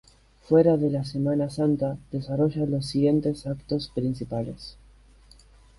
Fuera de la Semana Santa desarrolla los siguientes actos principales.